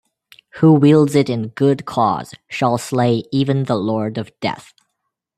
Who wields it in good cause shall slay even the Lord of Death.